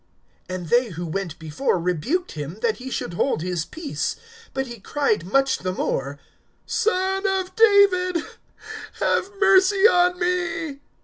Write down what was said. (39)And they who went before rebuked him, that he should hold his peace. But he cried much the more: Son of David, have mercy on me.